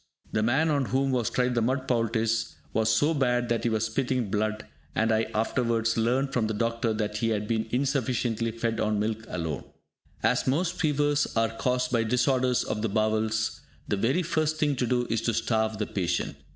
The man on whom was tried the mud poultice was so bad that he was spitting blood, and I afterwards learnt from the doctor that he had been insufficiently fed on milk alone. As most fevers are caused by disorders of the bowels, the very first thing to do is to starve the patient.